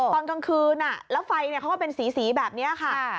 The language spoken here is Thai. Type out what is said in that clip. ตอนกลางคืนแล้วไฟเขาก็เป็นสีแบบนี้ค่ะ